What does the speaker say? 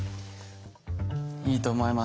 いいと思います。